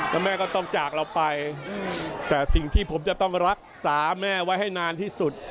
แล้วแม่ก็ต้องจากเราไปแต่สิ่งที่ผมจะต้องรักษาแม่ไว้ให้นานที่สุด